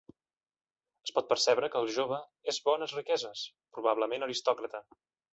Es pot percebre que el jove és bones riqueses; probablement aristòcrata.